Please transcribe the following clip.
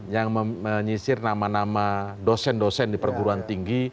yang menyisir nama nama dosen dosen di perguruan tinggi